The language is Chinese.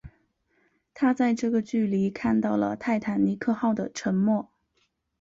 他在这个距离看到了泰坦尼克号的沉没。